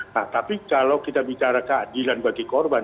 nah tapi kalau kita bicara keadilan bagi korban